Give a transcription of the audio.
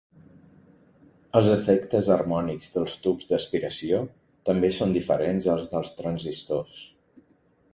Els efectes harmònics dels tubs d'aspiració també son diferents als dels transistors.